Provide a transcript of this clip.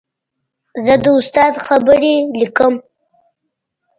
زه د استاد خبرې لیکم.